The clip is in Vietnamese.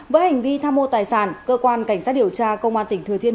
với hành vi tham mô tài sản cơ quan cảnh sát điều tra công an tỉnh thừa thiên